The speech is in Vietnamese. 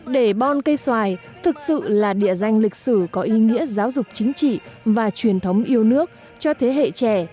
để bon cây xoài thực sự là địa danh lịch sử có ý nghĩa giáo dục chính trị và truyền thống yêu nước cho thế hệ trẻ